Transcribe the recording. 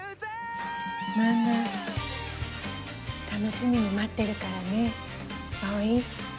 漫画楽しみに待ってるからね葵。